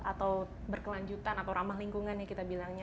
atau berkelanjutan atau ramah lingkungan ya kita bilangnya